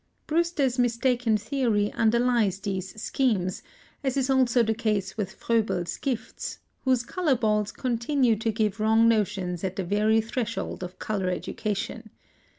Brewster's mistaken theory underlies these schemes, as is also the case with Froebel's gifts, whose color balls continue to give wrong notions at the very threshold of color education.